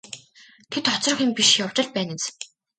Тэд хоцрох юм биш явж л байна биз.